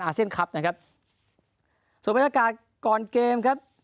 เซียนคลับนะครับส่วนบรรยากาศก่อนเกมครับ